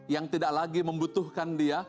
yang tidak lagi membutuhkan dia